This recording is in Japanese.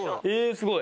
すごい。